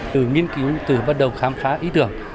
từ nghiên cứu từ bắt đầu khám phá ý tưởng